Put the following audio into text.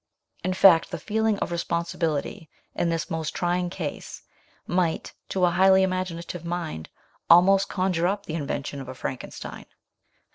In fact, the feeling of respon sibility in this most trying case might, to a highly imaginative mind, almost conjure up the invention of a Frankenstein.